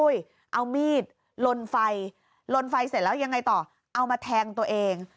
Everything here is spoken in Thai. ยังไงต่อเอามาแทงตัวเอง